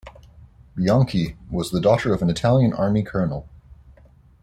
Bianchi was the daughter of an Italian Army colonel.